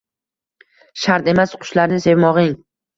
shart emas, qushlarni sevmogʼing